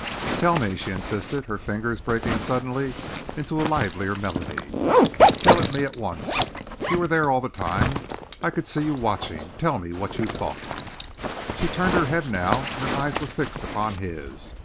"Tell it me?" she insisted, her fingers breaking suddenly into a livelier melody. "Tell it me at once? You were there all the time. I could see you watching. Tell me what you thought?" She had turned her head now, and her eyes were fixed upon his.